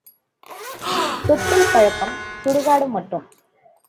தொட்டில் பழக்கம் சுடுகாடு மட்டும்.